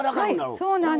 はいそうなんです。